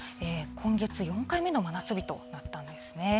今月４回目の真夏日となったんですね。